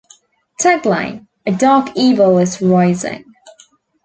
Tagline: "A dark evil is rising".